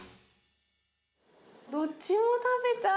どっちも食べたい。